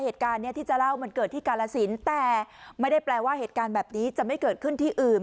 เหตุการณ์นี้ที่จะเล่ามันเกิดที่กาลสินแต่ไม่ได้แปลว่าเหตุการณ์แบบนี้จะไม่เกิดขึ้นที่อื่น